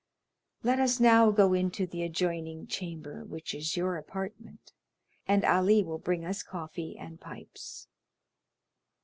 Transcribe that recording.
Let us now go into the adjoining chamber, which is your apartment, and Ali will bring us coffee and pipes."